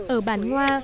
ở bản ngoa